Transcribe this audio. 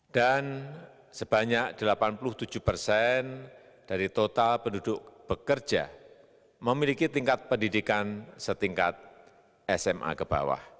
dan sebanyak delapan puluh tujuh persen dari total penduduk bekerja memiliki tingkat pendidikan setingkat sma ke bawah